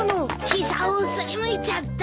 膝を擦りむいちゃった。